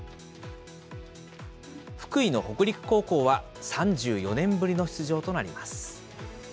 福井の北陸高校は３４年ぶりの出場となります。